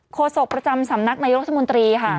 โศกประจำสำนักนายกรัฐมนตรีค่ะ